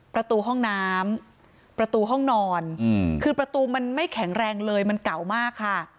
ประตูห้องน้ำประตูห้องนอนคือประตูมันไม่แข็งแรงเลยมันเก่ามากค่ะ